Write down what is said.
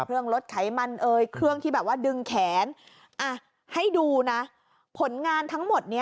เครื่องรถไขมันเครื่องที่ดึงแขนให้ดูนะผลงานทั้งหมดนี้